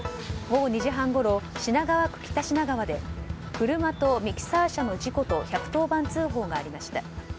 午後２時半ごろ、品川区北品川で車とミキサー車の事故と１１０番通報がありました。